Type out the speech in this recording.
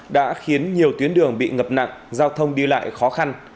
đã khiến nhiều tuyến đường bị ngập nặng giao thông đi lại khó khăn